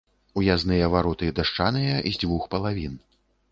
Уязныя вароты дашчаныя з дзвюх палавін.